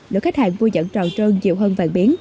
lượng khách hàng vui nhẫn tròn trơn dịu hơn vàng biến